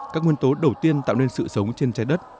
các nguyên tố đầu tiên tạo nên sự sống trên trái đất